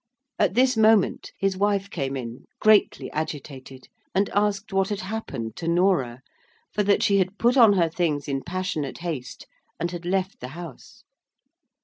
At this moment his wife came in, greatly agitated, and asked what had happened to Norah; for that she had put on her things in passionate haste, and had left the house.